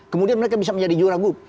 kemudian mereka bisa menjadi juara grup